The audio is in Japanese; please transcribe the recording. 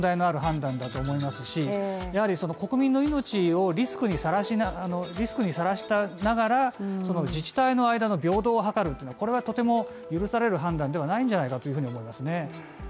これは極めて問題のある判断だと思いますしやはりその国民の命をリスクにさらしながら、その自治体の間の平等を図るってのはこれはとても許される判断ではないんじゃないかというふうに思いますね。